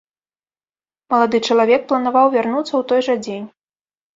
Малады чалавек планаваў вярнуцца ў той жа дзень.